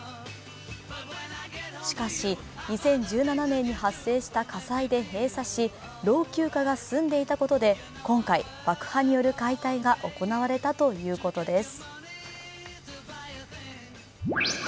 しかし、２０１７年に発生した火災で閉鎖し老朽化が進んでいたことで今回、爆破による解体が行われたということです。